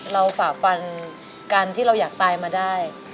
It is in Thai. ฝ่าฟันการที่เราอยากตายมาได้